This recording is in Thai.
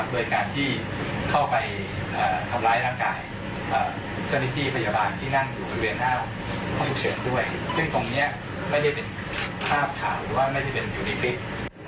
ซึ่งตรงนี้ไม่ได้เป็นภาพข่าวหรือว่าไม่ได้เป็นอยุธิภิกษ์